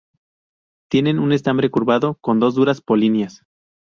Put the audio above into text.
Tienen un estambre curvado con dos duras polinias.